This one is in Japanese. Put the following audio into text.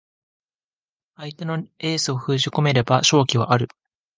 相手のエースを封じ込めれば勝機はある